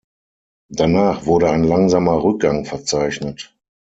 Danach wurde ein langsamer Rückgang verzeichnet.